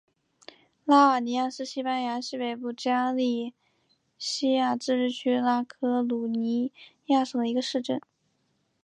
拉瓦尼亚是西班牙西北部加利西亚自治区拉科鲁尼亚省的一个市镇。